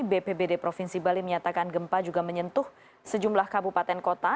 bpbd provinsi bali menyatakan gempa juga menyentuh sejumlah kabupaten kota